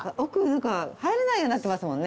入れないようになってますもんね。